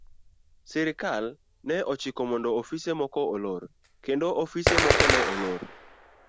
Sirkal ne ochiko mondo ofise moko olor kendo ofise moko ne olor.